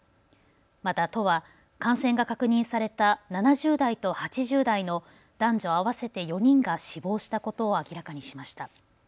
また都は感染が確認された７０代と８０代の男女合わせて４人が死亡したことを明らかにしました。